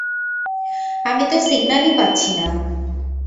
আমি তো সিগনালই পাচ্ছি না।